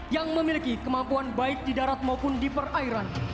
yang memiliki kemampuan baik di darat maupun di perairan